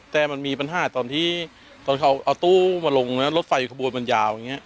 แต่มันมีปัญหาตอนที่ตอนเขาเอาตู้มาลงแล้วรถไฟขบวนมันยาวอย่างนี้